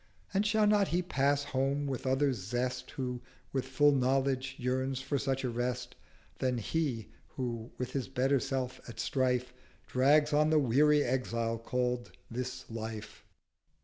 600 And shall not he pass home with other Zest Who, with full Knowledge, yearns for such a Rest, Than he, who with his better self at strife, Drags on the weary Exile call'd This Life?